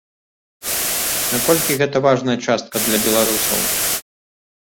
Наколькі гэта важная частка для беларусаў?